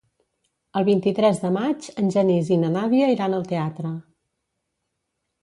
El vint-i-tres de maig en Genís i na Nàdia iran al teatre.